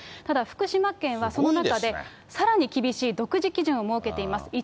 ただ、福島県はその中で、さらに厳しい独自基準を設けています。